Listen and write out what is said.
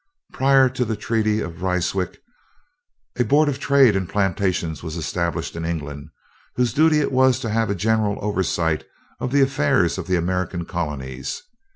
Prior to the treaty at Ryswick, a Board of Trade and Plantations was established in England, whose duty it was to have a general oversight of the affairs of the American colonies.